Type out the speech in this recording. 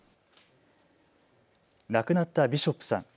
亡くなったビショップさん。